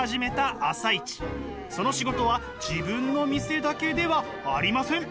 その仕事は自分の店だけではありません。